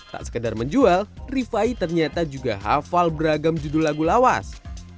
tak sekedar menjual rifai ternyata juga hafal beragam judul lagu lawas